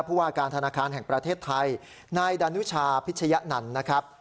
ผู้ว่าการธนาคารแห่งประเทศไทยนายดานุชาพิชยะนันต์นะครับ